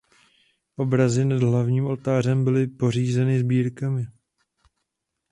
Obrazy nad hlavním oltářem byly pořízeny sbírkami.